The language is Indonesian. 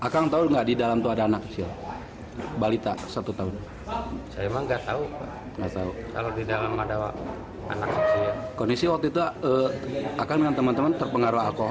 kondisi waktu itu akan dengan teman teman terpengaruh alkohol